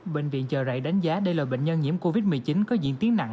bệnh viện chợ rẫy đánh giá đây là bệnh nhân nhiễm covid một mươi chín có diễn tiến nặng